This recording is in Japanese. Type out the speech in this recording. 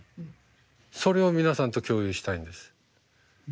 それを皆さんと共有したいんです。